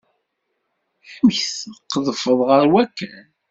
Amek tqedfeḍ ɣer wakken?